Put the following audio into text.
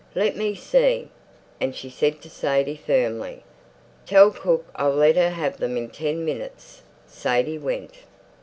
"Let me see." And she said to Sadie firmly, "Tell cook I'll let her have them in ten minutes." Sadie went.